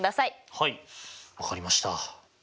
はい分かりました。